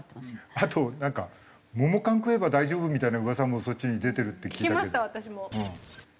あとなんか桃缶食えば大丈夫みたいな噂もそっちに出てるって聞いたけど。